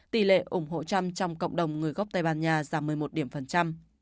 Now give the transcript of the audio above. tỷ lệ ủng hộ trump trong cộng đồng người gốc tây ban nha giảm một mươi một điểm phần trăm